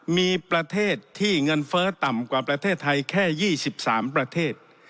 มีประเทศที่เงินเฟ้อต่ำกว่าประเทศไทยแค่๒๓ประเทศ